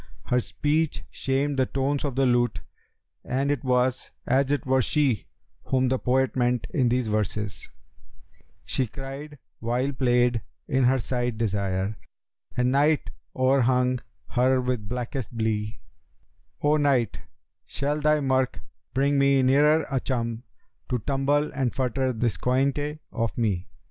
Her speech shamed the tones of the lute, and it was as it were she whom the poet meant in these verses, 'She cried while played in her side Desire, * And Night o'er hung her with blackest blee:— 'O Night shall thy murk bring me ne'er a chum * To tumble and futter this coynte of me?'